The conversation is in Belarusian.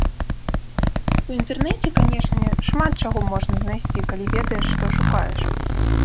У інтэрнэце, канечне, шмат чаго можна знайсці, калі ведаеш, што шукаеш.